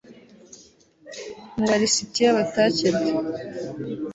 mu ba lisitiya batakebwe